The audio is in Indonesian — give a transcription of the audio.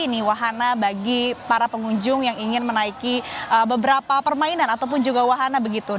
ini wahana bagi para pengunjung yang ingin menaiki beberapa permainan ataupun juga wahana begitu